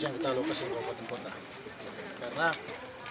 yang kita alokasi di kabupaten kepulauan yapen